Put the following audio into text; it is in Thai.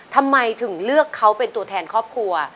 ทำไมถึงเลือกเขาเป็นตัวแทนครอบครัว